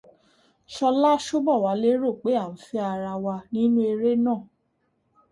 Ṣọlá Ṣóbọ̀wálé rò pé à ń fẹ́ ara wa nínú eré náà.